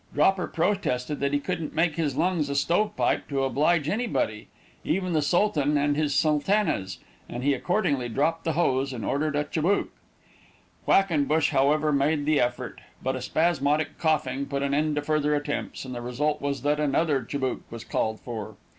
Dropper protested that he wouldn't make his lungs a stove pipe to oblige anybody even the sultan and his sultanas and he accordingly dropped the hose, and ordered a chibouk. Quackenbush, however, made the effort, but a spasmodic coughing put an end to further attempts, and the result was that another chibouk was called for.